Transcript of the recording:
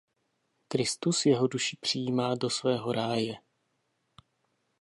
Kristus jeho duši přijímá do svého ráje.